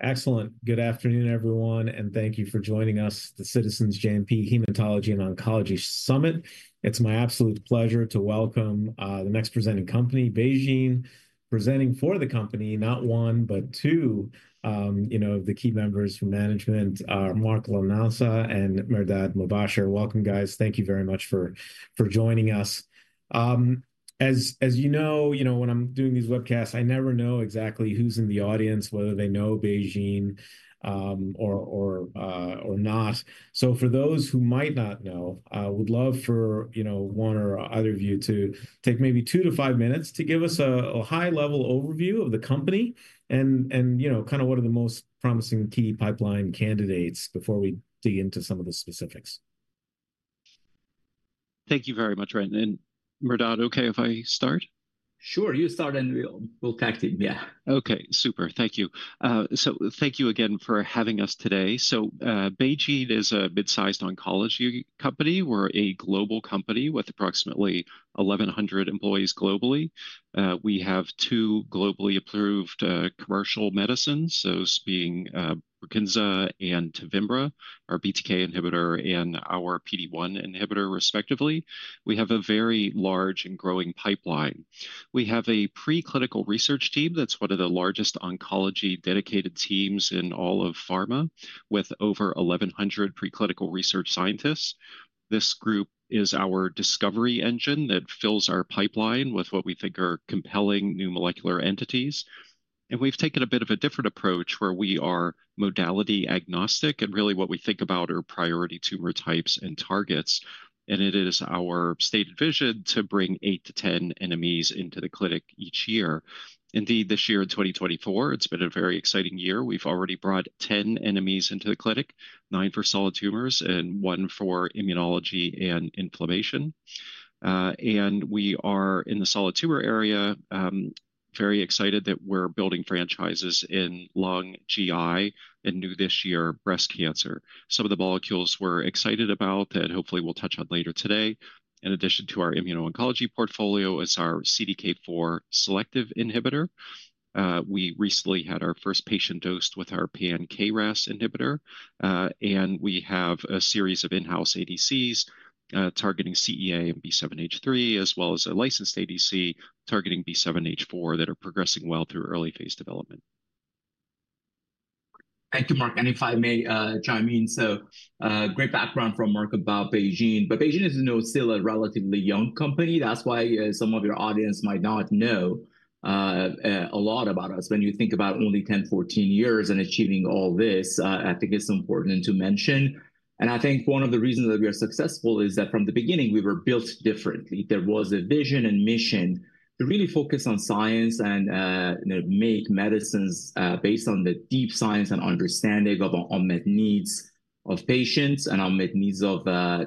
Excellent. Good afternoon, everyone, and thank you for joining us at the Citizens JMP Hematology and Oncology Summit. It's my absolute pleasure to welcome the next presenting company, BeiGene, presenting for the company, not one, but two, you know, of the key members from management, Mark Lanasa and Mehrdad Mobasher. Welcome, guys. Thank you very much for joining us. As you know, you know, when I'm doing these webcasts, I never know exactly who's in the audience, whether they know BeiGene or not. So for those who might not know, I would love for, you know, one or other of you to take maybe two to five minutes to give us a high-level overview of the company and, you know, kind of what are the most promising key pipeline candidates before we dig into some of the specifics. Thank you very much, Ryan. And Mehrdad, okay, if I start? Sure, you start and we'll tag team, yeah. Okay, super. Thank you. So thank you again for having us today. So BeiGene is a mid-sized oncology company. We're a global company with approximately 1,100 employees globally. We have two globally approved commercial medicines, those being Brukinsa and Tevimbra, our BTK inhibitor and our PD-1 inhibitor, respectively. We have a very large and growing pipeline. We have a preclinical research team that's one of the largest oncology dedicated teams in all of pharma, with over 1,100 preclinical research scientists. This group is our discovery engine that fills our pipeline with what we think are compelling new molecular entities. And we've taken a bit of a different approach where we are modality agnostic, and really what we think about are priority tumor types and targets. And it is our stated vision to bring eight to ten NMEs into the clinic each year. Indeed, this year in 2024, it's been a very exciting year. We've already brought ten NMEs into the clinic, nine for solid tumors and one for immunology and inflammation. And we are in the solid tumor area, very excited that we're building franchises in lung, GI, and new this year, breast cancer. Some of the molecules we're excited about that hopefully we'll touch on later today. In addition to our immuno-oncology portfolio is our CDK4 selective inhibitor. We recently had our first patient dosed with our pan-KRAS inhibitor. And we have a series of in-house ADCs targeting CEA and B7-H3, as well as a licensed ADC targeting B7-H4 that are progressing well through early phase development. Thank you, Mark. And if I may chime in, so great background from Mark about BeiGene. But BeiGene is still a relatively young company. That's why some of your audience might not know a lot about us. When you think about only 10, 14 years and achieving all this, I think it's important to mention. And I think one of the reasons that we are successful is that from the beginning, we were built differently. There was a vision and mission to really focus on science and make medicines based on the deep science and understanding of our unmet needs of patients and our unmet needs of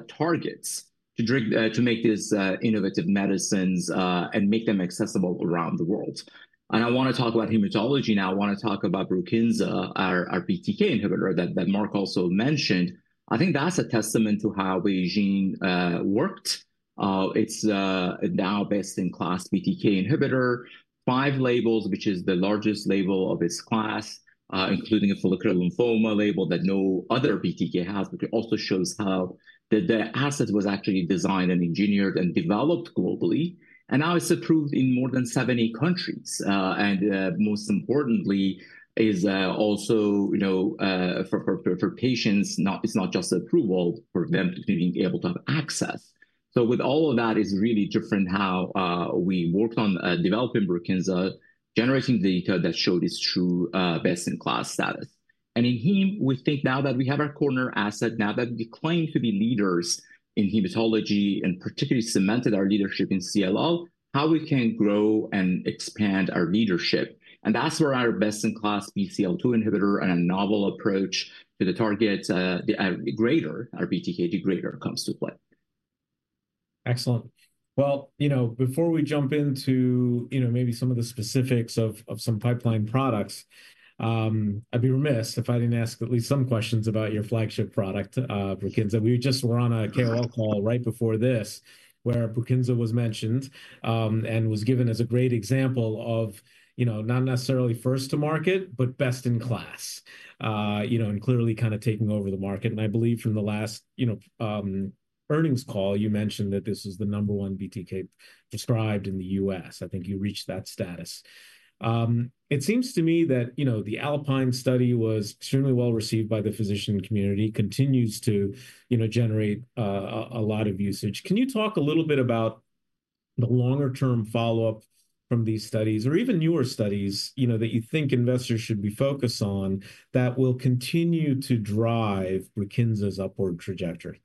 targets to make these innovative medicines and make them accessible around the world. And I want to talk about hematology now. I want to talk about Brukinsa, our BTK inhibitor that Mark also mentioned. I think that's a testament to how BeiGene worked. It's now best-in-class BTK inhibitor, five labels, which is the largest label of its class, including a follicular lymphoma label that no other BTK has, but it also shows how the asset was actually designed and engineered and developed globally. And now it's approved in more than 70 countries. And most importantly, is also, you know, for patients, it's not just approval for them to be able to have access. So with all of that, it's really differentiated how we worked on developing Brukinsa, generating data that showed its true best-in-class status. And then, we think now that we have our cornerstone asset, now that we claim to be leaders in hematology and particularly cemented our leadership in CLL, how we can grow and expand our leadership. And that's where our best-in-class BCL-2 inhibitor and a novel approach to the target, the degrader, our BTK degrader comes to play. Excellent. Well, you know, before we jump into, you know, maybe some of the specifics of some pipeline products, I'd be remiss if I didn't ask at least some questions about your flagship product, Brukinsa. We just were on a KOL call right before this where Brukinsa was mentioned and was given as a great example of, you know, not necessarily first to market, but best in class, you know, and clearly kind of taking over the market, and I believe from the last, you know, earnings call, you mentioned that this was the number one BTK prescribed in the U.S. I think you reached that status. It seems to me that, you know, the ALPINE study was extremely well received by the physician community, continues to, you know, generate a lot of usage. Can you talk a little bit about the longer-term follow-up from these studies or even newer studies, you know, that you think investors should be focused on that will continue to drive Brukinsa's upward trajectory?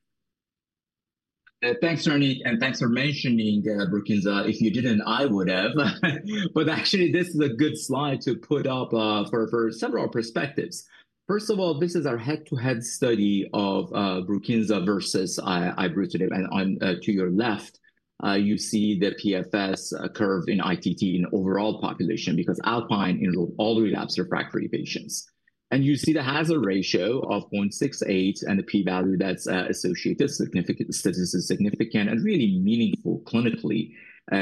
Thanks, Reni, and thanks for mentioning Brukinsa. If you didn't, I would have. But actually, this is a good slide to put up for several perspectives. First of all, this is our head-to-head study of Brukinsa versus ibrutinib. And to your left, you see the PFS curve in ITT in overall population because ALPINE enrolled all relapse refractory patients. And you see the hazard ratio of 0.68 and the p-value that's associated, statistically significant and really meaningful clinically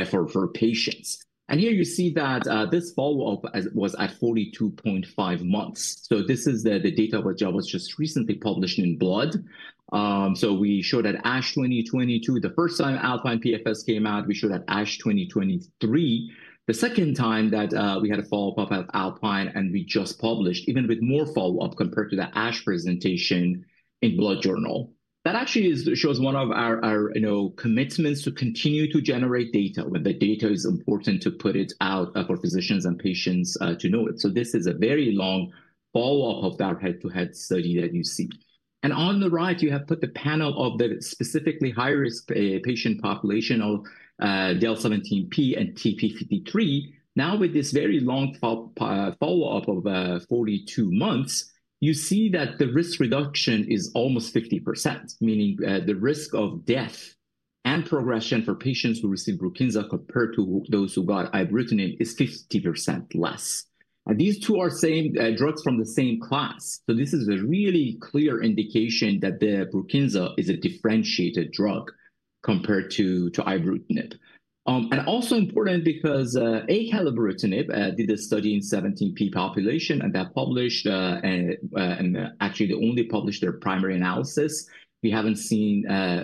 for patients. And here you see that this follow-up was at 42.5 months. So this is the data which was just recently published in Blood. So we showed at ASH 2022, the first time ALPINE PFS came out, we showed at ASH 2023, the second time that we had a follow-up of ALPINE, and we just published, even with more follow-up compared to the ASH presentation in Blood Journal. That actually shows one of our, you know, commitments to continue to generate data when the data is important to put it out for physicians and patients to know it. So this is a very long follow-up of that head-to-head study that you see. And on the right, you have put the panel of the specifically high-risk patient population of del(17p) and TP53. Now, with this very long follow-up of 42 months, you see that the risk reduction is almost 50%, meaning the risk of death and progression for patients who receive Brukinsa compared to those who got ibrutinib is 50% less. And these two are same drugs from the same class. So this is a really clear indication that the Brukinsa is a differentiated drug compared to ibrutinib. And also important because acalabrutinib did a study in del(17p) population and that published, and actually the only published their primary analysis. We haven't seen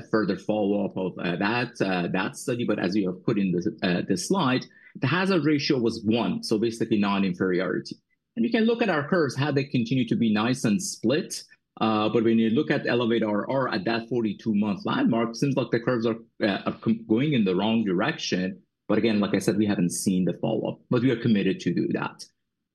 further follow-up of that study, but as you have put in the slide, the hazard ratio was one, so basically non-inferiority. And you can look at our curves, how they continue to be nice and split. But when you look at ELEVATE-RR at that 42-month landmark, it seems like the curves are going in the wrong direction. But again, like I said, we haven't seen the follow-up, but we are committed to do that.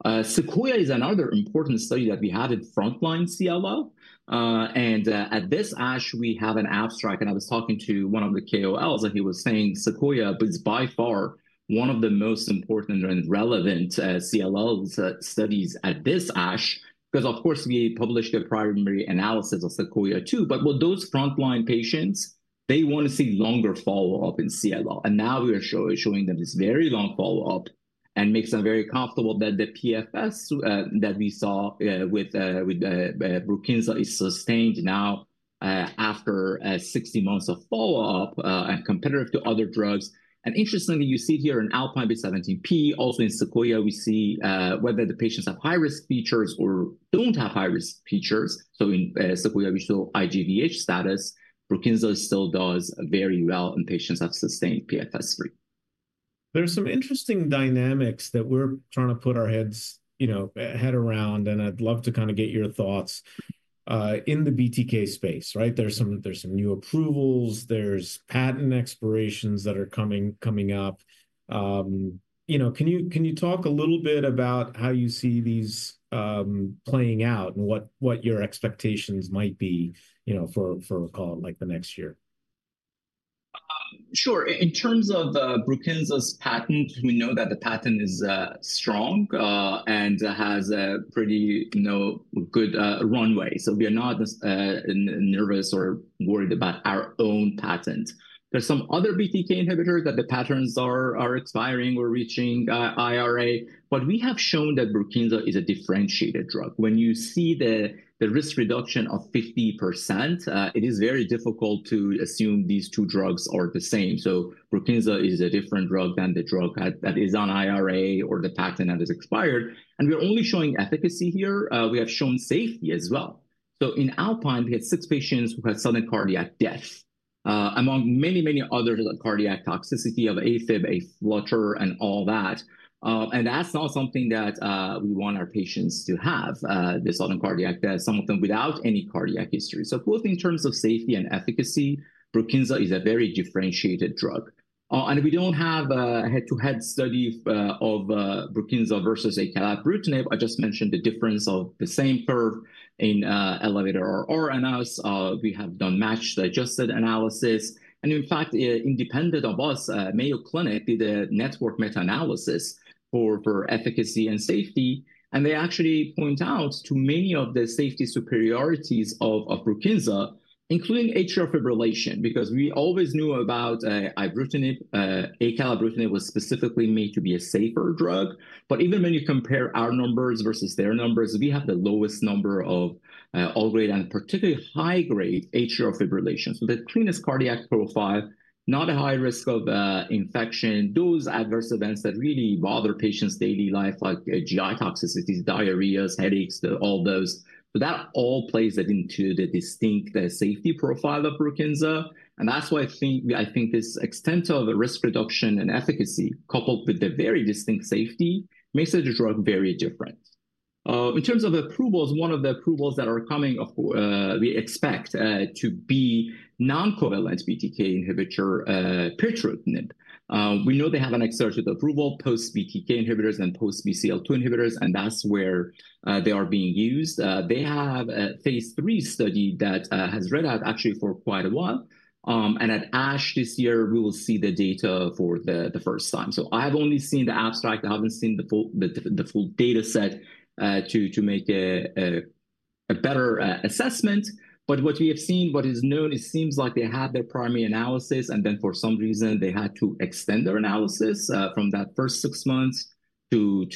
SEQUOIA is another important study that we have in frontline CLL. And at this ASH, we have an abstract, and I was talking to one of the KOLs, and he was saying SEQUOIA is by far one of the most important and relevant CLL studies at this ASH because, of course, we published a primary analysis of SEQUOIA too. But with those frontline patients, they want to see longer follow-up in CLL. And now we are showing them this very long follow-up and makes them very comfortable that the PFS that we saw with Brukinsa is sustained now after 60 months of follow-up and competitive to other drugs. And interestingly, you see here in ALPINE del(17p), also in Sequoia, we see whether the patients have high-risk features or don't have high-risk features. So in Sequoia, we show IGHV status. Brukinsa still does very well in patients that have sustained PFS. There are some interesting dynamics that we're trying to wrap our heads, you know, around, and I'd love to kind of get your thoughts. In the BTK space, right, there's some new approvals, there's patent expirations that are coming up. You know, can you talk a little bit about how you see these playing out and what your expectations might be, you know, for, call it like the next year? Sure. In terms of Brukinsa's patent, we know that the patent is strong and has a pretty, you know, good runway. So we are not nervous or worried about our own patent. There's some other BTK inhibitors that the patents are expiring or reaching IRA, but we have shown that Brukinsa is a differentiated drug. When you see the risk reduction of 50%, it is very difficult to assume these two drugs are the same. So Brukinsa is a different drug than the drug that is on IRA or the patent that has expired. And we're only showing efficacy here. We have shown safety as well. So in ALPINE, we had six patients who had sudden cardiac death among many, many others of cardiac toxicity of AFib, A-flutter, and all that. And that's not something that we want our patients to have, the sudden cardiac death, some of them without any cardiac history. So both in terms of safety and efficacy, Brukinsa is a very differentiated drug. And we don't have a head-to-head study of Brukinsa versus acalabrutinib. I just mentioned the difference of the same curve in ELEVATE-RR analysis. We have done matched adjusted analysis. And in fact, independent of us, Mayo Clinic did a network meta-analysis for efficacy and safety. And they actually point out to many of the safety superiorities of Brukinsa, including atrial fibrillation, because we always knew about ibrutinib. Acalabrutinib was specifically made to be a safer drug. But even when you compare our numbers versus their numbers, we have the lowest number of all-grade and particularly high-grade atrial fibrillation. The cleanest cardiac profile, not a high risk of infection, those adverse events that really bother patients' daily life, like GI toxicities, diarrheas, headaches, all those. That all plays into the distinct safety profile of Brukinsa. That's why I think this extent of risk reduction and efficacy coupled with the very distinct safety makes the drug very different. In terms of approvals, one of the approvals that are coming, we expect to be non-covalent BTK inhibitor, pirtobrutinib. We know they have an accelerated approval post-BTK inhibitors and post-BCL-2 inhibitors, and that's where they are being used. They have a phase 3 study that has read out actually for quite a while. At ASH this year, we will see the data for the first time. I have only seen the abstract. I haven't seen the full data set to make a better assessment. But what we have seen, what is known, it seems like they had their primary analysis, and then for some reason, they had to extend their analysis from that first six months to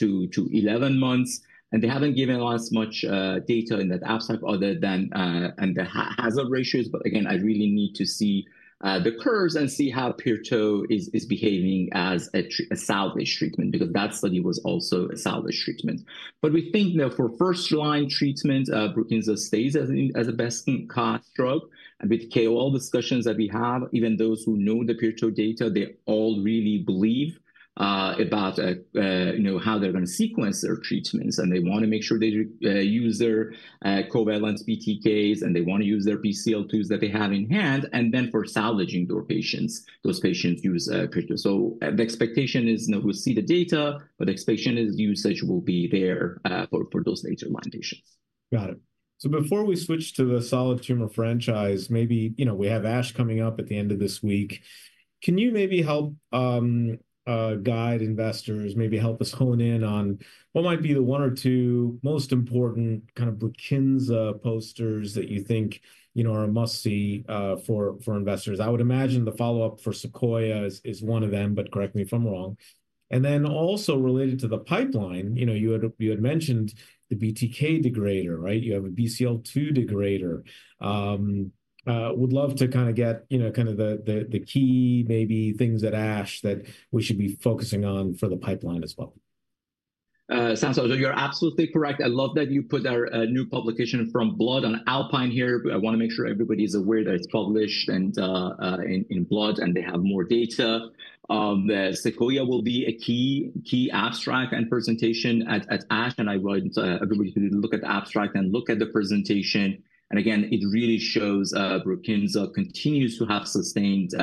11 months. And they haven't given us much data in that abstract other than the hazard ratios. But again, I really need to see the curves and see how pirto is behaving as a salvage treatment because that study was also a salvage treatment. But we think now for first-line treatment, Brukinsa stays as a best-in-class drug. And with KOL discussions that we have, even those who know the pirto data, they all really believe about how they're going to sequence their treatments. And they want to make sure they use their covalent BTKs, and they want to use their BCL-2s that they have in hand. And then for salvaging those patients, those patients use pirto. So the expectation is, we'll see the data, but the expectation is usage will be there for those later-line patients. Got it. So before we switch to the solid tumor franchise, maybe, you know, we have ASH coming up at the end of this week. Can you maybe help guide investors, maybe help us hone in on what might be the one or two most important kind of Brukinsa posters that you think, you know, are a must-see for investors? I would imagine the follow-up for SEQUOIA is one of them, but correct me if I'm wrong. And then also related to the pipeline, you know, you had mentioned the BTK degrader, right? You have a BCL-2 degrader. Would love to kind of get, you know, kind of the key maybe things at ASH that we should be focusing on for the pipeline as well. Sounds good. You're absolutely correct. I love that you put our new publication from Blood on ALPINE here. I want to make sure everybody is aware that it's published in Blood and they have more data. SEQUOIA will be a key abstract and presentation at ASH, and I want everybody to look at the abstract and look at the presentation. And again, it really shows Brukinsa continues to have sustained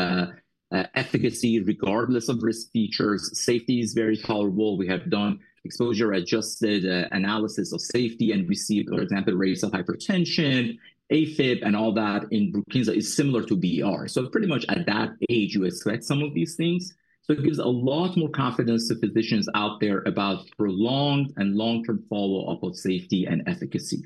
efficacy regardless of risk features. Safety is very tolerable. We have done exposure-adjusted analysis of safety and received, for example, rates of hypertension, AFib, and all that in Brukinsa is similar to background. So pretty much at that age, you expect some of these things. So it gives a lot more confidence to physicians out there about prolonged and long-term follow-up of safety and efficacy.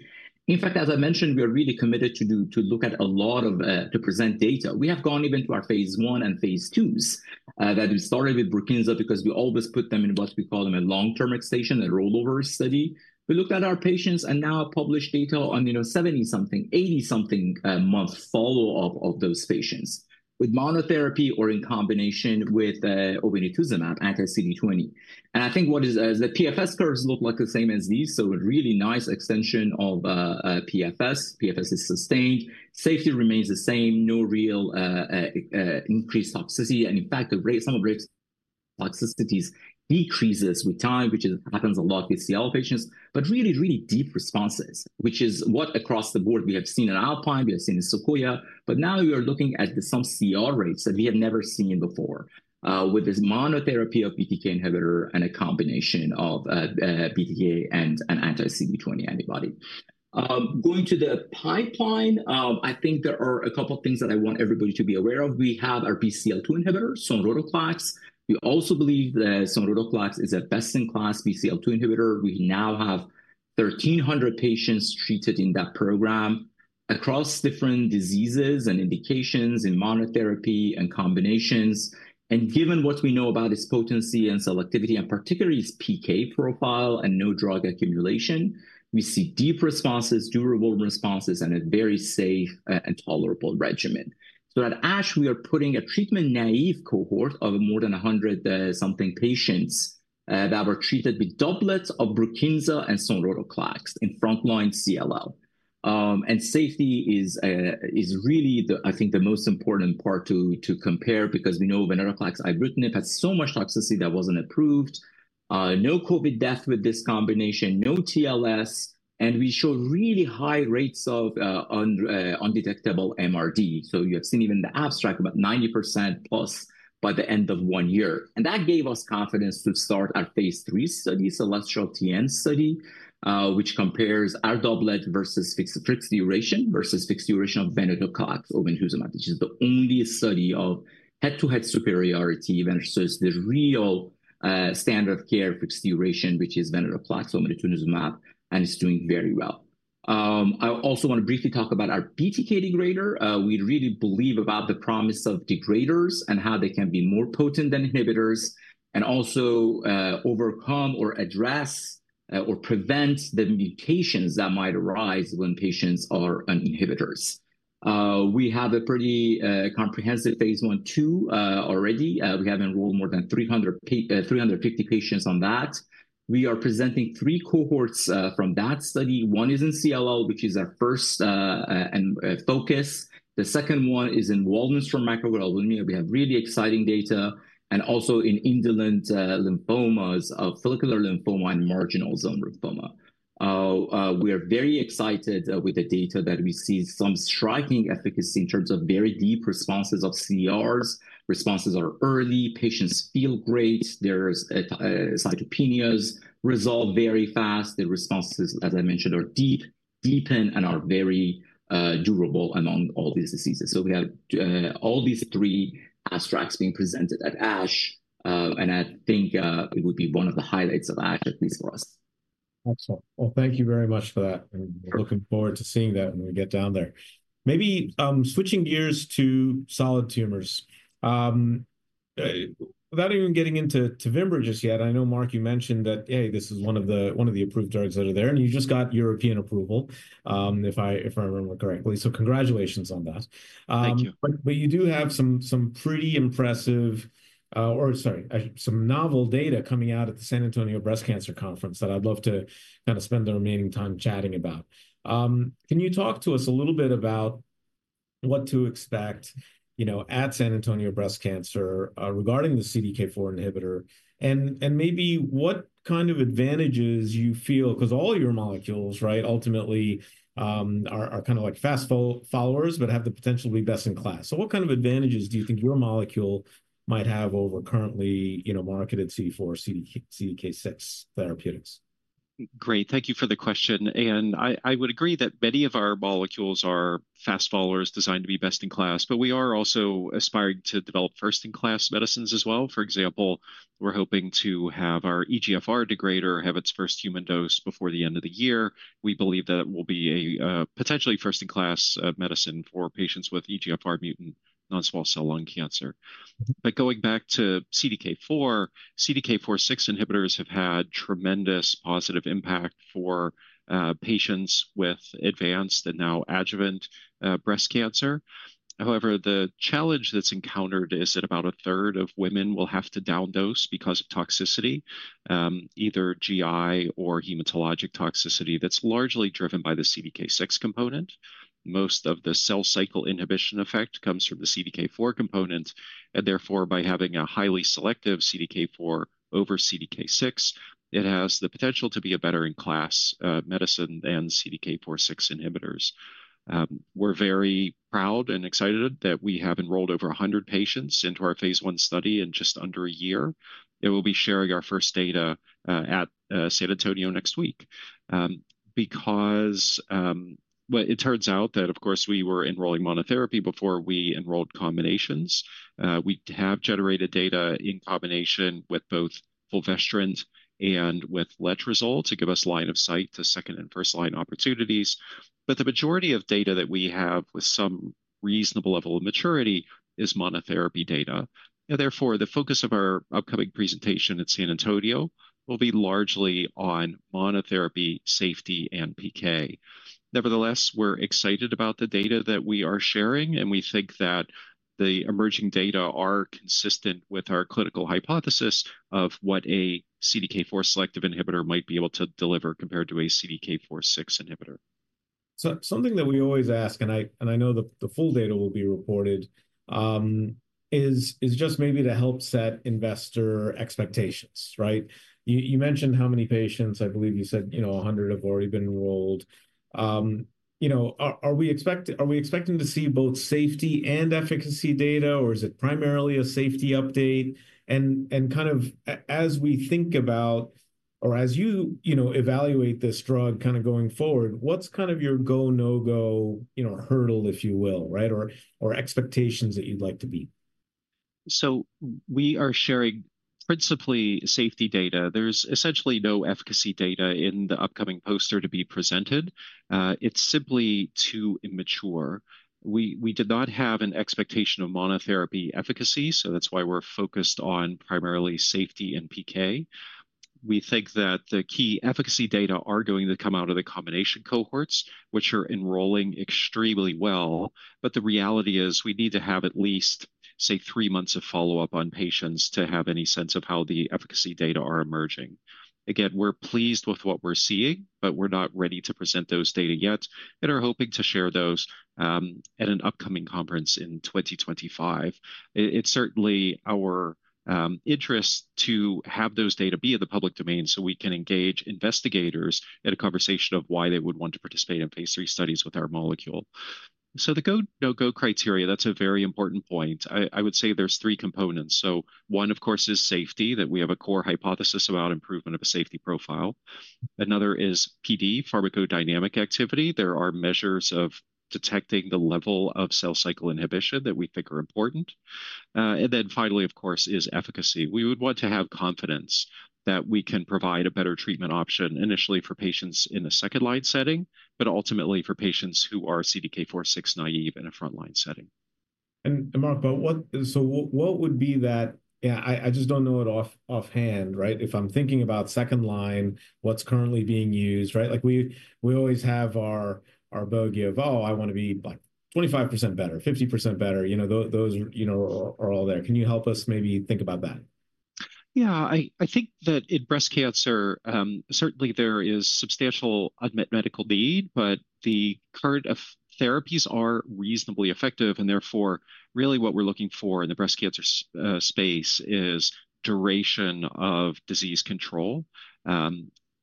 In fact, as I mentioned, we are really committed to look at a lot of to present data. We have gone even to our phase one and phase twos that we started with Brukinsa because we always put them in what we call them a long-term extension, a rollover study. We looked at our patients and now published data on, you know, 70-something, 80-something month follow-up of those patients with monotherapy or in combination with obinutuzumab, anti-CD20, and I think what is the PFS curves look like the same as these, so a really nice extension of PFS. PFS is sustained. Safety remains the same. No real increased toxicity, and in fact, some of rates toxicities decreases with time, which happens a lot with CLL patients, but really, really deep responses, which is what across the board we have seen in ALPINE, we have seen in SEQUOIA. But now we are looking at some CR rates that we have never seen before with this monotherapy of BTK inhibitor and a combination of BTK and an anti-CD20 antibody. Going to the pipeline, I think there are a couple of things that I want everybody to be aware of. We have our BCL-2 inhibitor, sonrotoclax. We also believe that sonrotoclax is a best-in-class BCL-2 inhibitor. We now have 1,300 patients treated in that program across different diseases and indications in monotherapy and combinations. And given what we know about its potency and selectivity, and particularly its PK profile and no drug accumulation, we see deep responses, durable responses, and a very safe and tolerable regimen. So at ASH, we are putting a treatment naive cohort of more than 100-something patients that were treated with doublets of Brukinsa and sonrotoclax in frontline CLL. Safety is really, I think, the most important part to compare because we know venetoclax ibrutinib has so much toxicity that wasn't approved. No COVID death with this combination, no TLS, and we showed really high rates of undetectable MRD. You have seen even the abstract, about 90% plus by the end of one year. That gave us confidence to start our phase 3 study, CELESTIAL-TNCLL study, which compares our doublet versus fixed duration versus fixed duration of venetoclax obinutuzumab, which is the only study of head-to-head superiority versus the real standard of care fixed duration, which is venetoclax obinutuzumab, and it's doing very well. I also want to briefly talk about our BTK degrader. We really believe about the promise of degraders and how they can be more potent than inhibitors and also overcome or address or prevent the mutations that might arise when patients are on inhibitors. We have a pretty comprehensive phase 1/2 already. We have enrolled more than 350 patients on that. We are presenting three cohorts from that study. One is in CLL, which is our first focus. The second one is in Waldenström macroglobulinemia. We have really exciting data and also in indolent lymphomas of follicular lymphoma and marginal zone lymphoma. We are very excited with the data that we see some striking efficacy in terms of very deep responses of CRs. Responses are early. Patients feel great. The cytopenias resolve very fast. The responses, as I mentioned, are deep, deepen, and are very durable among all these diseases. So we have all these three abstracts being presented at ASH, and I think it would be one of the highlights of ASH, at least for us. Excellent. Well, thank you very much for that. Looking forward to seeing that when we get down there. Maybe switching gears to solid tumors. Without even getting into Tevimbra just yet, I know, Mark, you mentioned that, hey, this is one of the approved drugs that are there, and you just got European approval, if I remember correctly. So congratulations on that. Thank you. But you do have some pretty impressive, or sorry, some novel data coming out at the San Antonio Breast Cancer Conference that I'd love to kind of spend the remaining time chatting about. Can you talk to us a little bit about what to expect, you know, at San Antonio Breast Cancer regarding the CDK4 inhibitor and maybe what kind of advantages you feel, because all your molecules, right, ultimately are kind of like fast followers, but have the potential to be best in class. So what kind of advantages do you think your molecule might have over currently, you know, marketed CDK4, CDK6 therapeutics? Great. Thank you for the question. And I would agree that many of our molecules are fast followers designed to be best in class, but we are also aspiring to develop first-in-class medicines as well. For example, we're hoping to have our EGFR degrader have its first human dose before the end of the year. We believe that it will be a potentially first-in-class medicine for patients with EGFR mutant non-small cell lung cancer. But going back to CDK4, CDK4/6 inhibitors have had tremendous positive impact for patients with advanced and now adjuvant breast cancer. However, the challenge that's encountered is that about a third of women will have to down-dose because of toxicity, either GI or hematologic toxicity that's largely driven by the CDK6 component. Most of the cell cycle inhibition effect comes from the CDK4 component. Therefore, by having a highly selective CDK4 over CDK6, it has the potential to be a better-in-class medicine than CDK4/6 inhibitors. We're very proud and excited that we have enrolled over 100 patients into our phase 1 study in just under a year. We'll be sharing our first data at San Antonio next week because it turns out that, of course, we were enrolling monotherapy before we enrolled combinations. We have generated data in combination with both fulvestrant and with letrozole to give us line of sight to second and first-line opportunities. The majority of data that we have with some reasonable level of maturity is monotherapy data. Therefore, the focus of our upcoming presentation at San Antonio will be largely on monotherapy safety and PK. Nevertheless, we're excited about the data that we are sharing, and we think that the emerging data are consistent with our clinical hypothesis of what a CDK4 selective inhibitor might be able to deliver compared to a CDK4/6 inhibitor. Something that we always ask, and I know the full data will be reported, is just maybe to help set investor expectations, right? You mentioned how many patients, I believe you said, you know, 100 have already been enrolled. You know, are we expecting to see both safety and efficacy data, or is it primarily a safety update? And kind of as we think about, or as you, you know, evaluate this drug kind of going forward, what's kind of your go, no-go, you know, hurdle, if you will, right? Or expectations that you'd like to meet? So we are sharing principally safety data. There's essentially no efficacy data in the upcoming poster to be presented. It's simply too immature. We did not have an expectation of monotherapy efficacy, so that's why we're focused on primarily safety and PK. We think that the key efficacy data are going to come out of the combination cohorts, which are enrolling extremely well. But the reality is we need to have at least, say, three months of follow-up on patients to have any sense of how the efficacy data are emerging. Again, we're pleased with what we're seeing, but we're not ready to present those data yet and are hoping to share those at an upcoming conference in 2025. It's certainly our interest to have those data be in the public domain so we can engage investigators in a conversation of why they would want to participate in phase three studies with our molecule. So the go, no-go criteria, that's a very important point. I would say there's three components. So one, of course, is safety, that we have a core hypothesis about improvement of a safety profile. Another is PD, pharmacodynamic activity. There are measures of detecting the level of cell cycle inhibition that we think are important. And then finally, of course, is efficacy. We would want to have confidence that we can provide a better treatment option initially for patients in a second-line setting, but ultimately for patients who are CDK4/6 naive in a frontline setting. Mark, so what would be that? Yeah, I just don't know it offhand, right? If I'm thinking about second line, what's currently being used, right? Like we always have our bug of, oh, I want to be like 25% better, 50% better, you know, those, you know, are all there. Can you help us maybe think about that? Yeah, I think that in breast cancer, certainly there is substantial unmet medical need, but the current therapies are reasonably effective, and therefore, really what we're looking for in the breast cancer space is duration of disease control.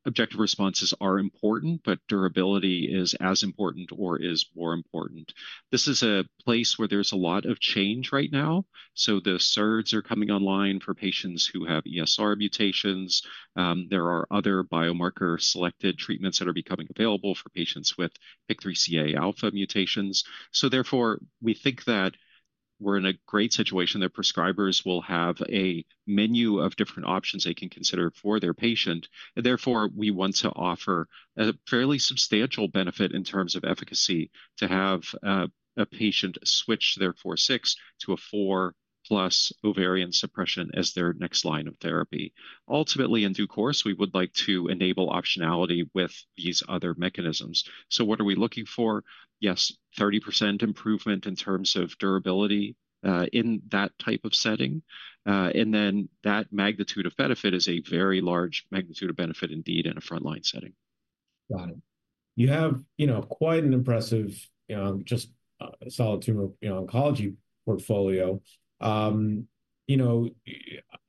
Objective responses are important, but durability is as important or is more important. This is a place where there's a lot of change right now, so the SERDs are coming online for patients who have ESR mutations. There are other biomarker-selected treatments that are becoming available for patients with PIK3CA alpha mutations, so therefore, we think that we're in a great situation that prescribers will have a menu of different options they can consider for their patient, and therefore, we want to offer a fairly substantial benefit in terms of efficacy to have a patient switch their 4/6 to a 4 plus ovarian suppression as their next line of therapy. Ultimately, in due course, we would like to enable optionality with these other mechanisms, so what are we looking for? Yes, 30% improvement in terms of durability in that type of setting, and then that magnitude of benefit is a very large magnitude of benefit indeed in a frontline setting. Got it. You have, you know, quite an impressive, you know, just solid tumor oncology portfolio. You know,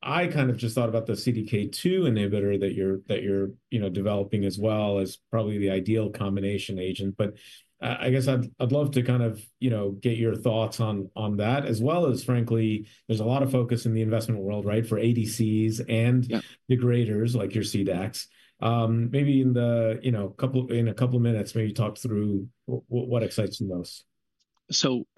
I kind of just thought about the CDK2 inhibitor that you're, you know, developing as well as probably the ideal combination agent. But I guess I'd love to kind of, you know, get your thoughts on that as well as frankly, there's a lot of focus in the investment world, right, for ADCs and degraders like your CDAC. Maybe in the, you know, in a couple of minutes, maybe talk through what excites you most.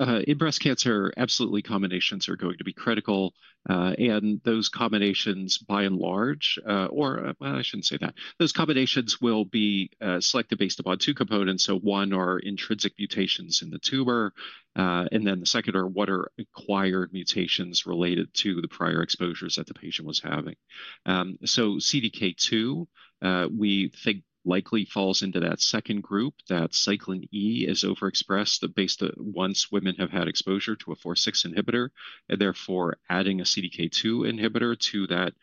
In breast cancer, absolutely combinations are going to be critical. Those combinations by and large, or I shouldn't say that, those combinations will be selected based upon two components. One are intrinsic mutations in the tumor, and then the second are what are acquired mutations related to the prior exposures that the patient was having. CDK2, we think likely falls into that second group that cyclin E is overexpressed based once women have had exposure to a 4/6 inhibitor. Therefore, adding a CDK2 inhibitor to that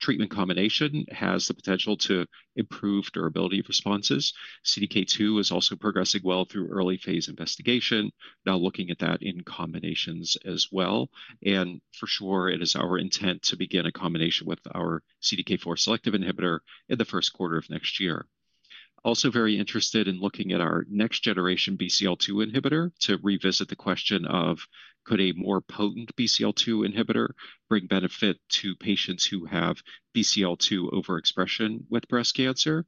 treatment combination has the potential to improve durability of responses. CDK2 is also progressing well through early phase investigation, now looking at that in combinations as well. For sure, it is our intent to begin a combination with our CDK4 selective inhibitor in the first quarter of next year. Also very interested in looking at our next generation BCL-2 inhibitor to revisit the question of could a more potent BCL-2 inhibitor bring benefit to patients who have BCL-2 overexpression with breast cancer,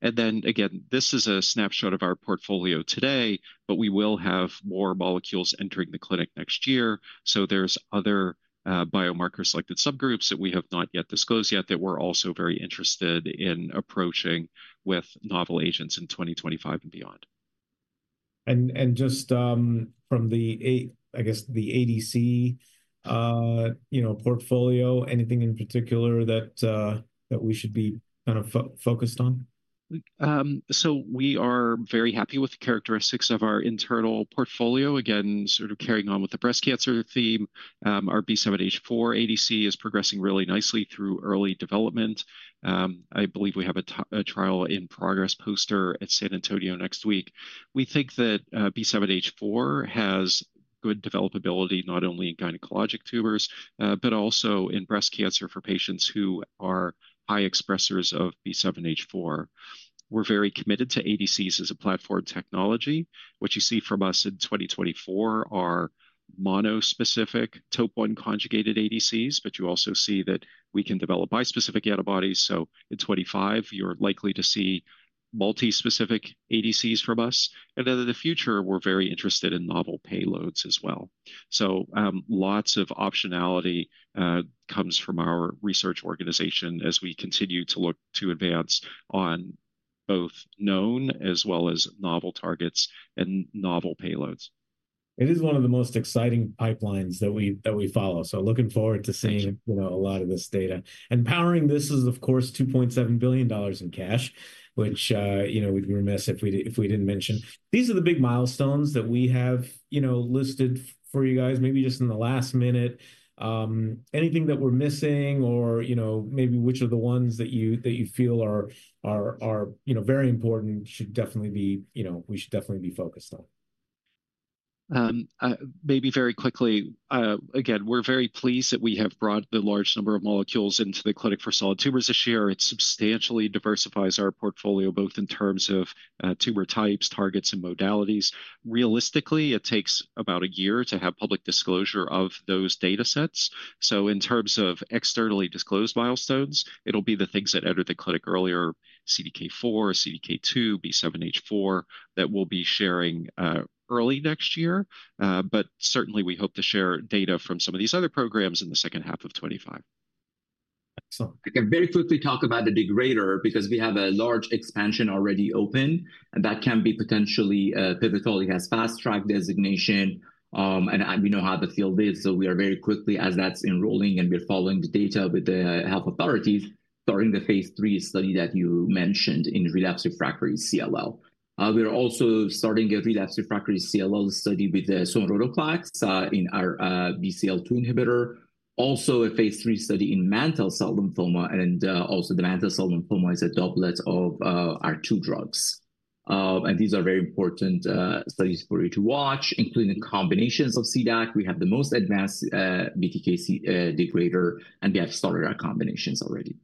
and then again, this is a snapshot of our portfolio today, but we will have more molecules entering the clinic next year, so there's other biomarker-selected subgroups that we have not yet disclosed yet that we're also very interested in approaching with novel agents in 2025 and beyond. And just from the, I guess, ADC, you know, portfolio, anything in particular that we should be kind of focused on? We are very happy with the characteristics of our internal portfolio. Again, sort of carrying on with the breast cancer theme, our B7-H4 ADC is progressing really nicely through early development. I believe we have a trial in progress poster at San Antonio next week. We think that B7-H4 has good developability not only in gynecologic tumors, but also in breast cancer for patients who are high expressors of B7-H4. We're very committed to ADCs as a platform technology. What you see from us in 2024 are monospecific, Topo I conjugated ADCs, but you also see that we can develop bispecific antibodies. So in 2025, you're likely to see multi-specific ADCs from us. And then in the future, we're very interested in novel payloads as well. So lots of optionality comes from our research organization as we continue to look to advance on both known as well as novel targets and novel payloads. It is one of the most exciting pipelines that we follow. So looking forward to seeing, you know, a lot of this data. And powering this is, of course, $2.7 billion in cash, which, you know, we'd be remiss if we didn't mention. These are the big milestones that we have, you know, listed for you guys, maybe just in the last minute. Anything that we're missing or, you know, maybe which are the ones that you feel are, you know, very important should definitely be, you know, we should definitely be focused on? Maybe very quickly, again, we're very pleased that we have brought the large number of molecules into the clinic for solid tumors this year. It substantially diversifies our portfolio both in terms of tumor types, targets, and modalities. Realistically, it takes about a year to have public disclosure of those data sets. So in terms of externally disclosed milestones, it'll be the things that entered the clinic earlier, CDK4, CDK2, B7-H4 that we'll be sharing early next year. But certainly, we hope to share data from some of these other programs in the second half of 2025. Excellent. I can very quickly talk about the degrader because we have a large expansion already open that can be potentially pivotal as fast track designation. And we know how the field is. So we are very quickly as that's enrolling and we're following the data with the health authorities starting the phase 3 study that you mentioned in relapse refractory CLL. We're also starting a relapse refractory CLL study with the sonrotoclax in our BCL-2 inhibitor. Also a phase 3 study in mantle cell lymphoma and also the mantle cell lymphoma is a doublet of our two drugs. And these are very important studies for you to watch, including combinations of CDAC. We have the most advanced BTK degrader, and we have started our combinations already.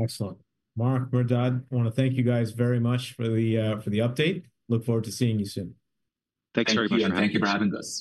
Excellent. Mark, we want to thank you guys very much for the update. Look forward to seeing you soon. Thanks very much. Thank you for having us.